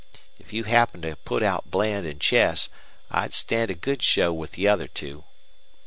If you happened to put out Bland and Chess, I'd stand a good show with the other two.